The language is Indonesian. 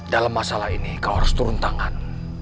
dalam masalah ini kau harus turun tangan